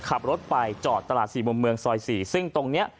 ขับรถไปจอดตลาด๔มุมเมืองซอย๔ซึ่งตรงนี้